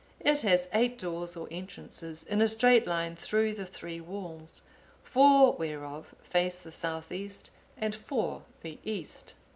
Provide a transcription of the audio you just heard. It has eight doors or entrances in a straight line through the three walls; four whereof face the south east, and four the east.